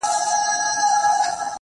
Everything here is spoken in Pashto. o طبله، باجه، منگی، سیتار، رباب، ه یاره.